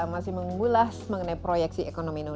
masih menggulas mengenai proyeksi ekonomi daerah